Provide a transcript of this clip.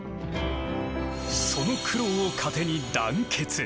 その苦労を糧に団結。